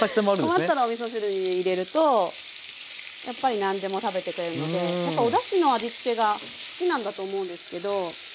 困ったらおみそ汁に入れるとやっぱり何でも食べてくれるのでやっぱおだしの味付けが好きなんだと思うんですけどはい。